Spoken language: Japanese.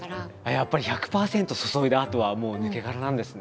やっぱり１００％注いだあとはもう抜け殻なんですね。